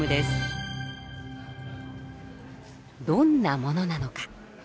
どんなものなのか？